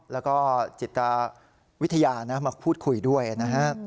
แล้วก็จิตวิทยามาพูดคุยด้วยนะฮะ